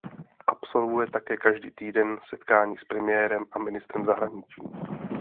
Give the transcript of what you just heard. Absolvuje také každý týden setkání s premiérem a ministrem zahraničí.